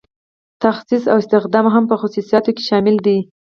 تخصیص او استخدام هم په خصوصیاتو کې شامل دي.